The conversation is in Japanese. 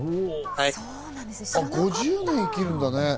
５０年生きるんだね。